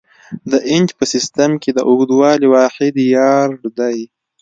د انچ په سیسټم کې د اوږدوالي واحد یارډ دی.